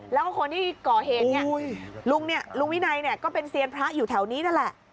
แล้วก็คนที่ก่อเหตุเนี่ยลุงวินัยเนี่ยก็เป็นเซียนพระอยู่แถวนี้นั่นแหละ